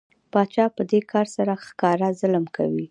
پاچا په دې کار سره ښکاره ظلم کوي.